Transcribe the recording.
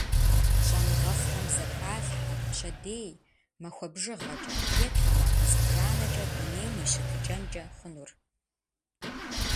ЩӀэныгъэлӀхэм зэхалъхьэ пщэдей, махуэ бжыгъэкӀэ е тхьэмахуэ зыбжанэкӀэ дунейм и щытыкӀэнкӀэ хъунур.